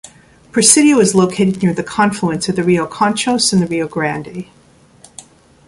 Presidio is located near the confluence of the Rio Conchos and the Rio Grande.